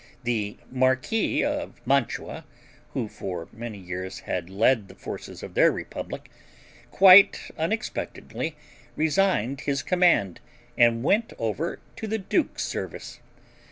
The marquis of Mantua, who for many years had led the forces of their republic, quite unexpectedly resigned his command, and went over to the duke's service.